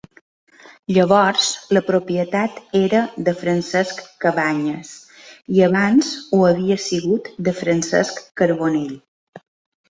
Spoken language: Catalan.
Llavors, la propietat era de Francesc Cabanyes, i abans ho havia sigut de Francesc Carbonell.